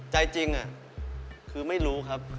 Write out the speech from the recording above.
ใจจริงคือไม่รู้ครับ